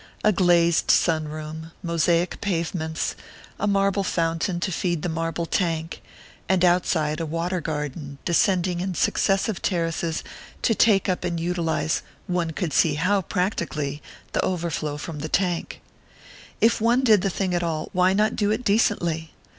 A glazed "sun room," mosaic pavements, a marble fountain to feed the marble tank and outside a water garden, descending in successive terraces, to take up and utilize one could see how practically! the overflow from the tank. If one did the thing at all, why not do it decently?